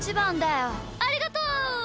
ありがとう！